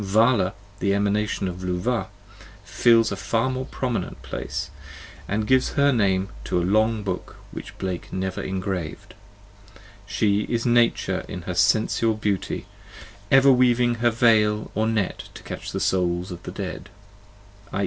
Vala, the Emanation of Luvah, fills a far more prominent place, and gives her name to a long book which Blake never engraved: she is Nature in her sensual beauty, ever weaving her veil or net to catch the souls ot the dead, i.